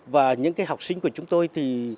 và những cái học sinh của chúng tôi